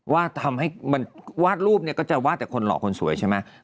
วาดรูปเนี่ยก็จะวาดแต่คนหล่อคนสวยใช่ไหม